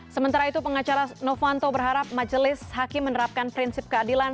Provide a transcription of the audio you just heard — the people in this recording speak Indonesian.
sementara itu pengacara novanto berharap majelis hakim menerapkan prinsip keadilan